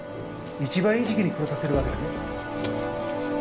一番いい時期に殺させるわけだね。